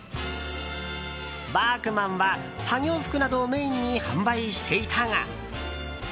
ワークマンは、作業服などをメインに販売していたが＃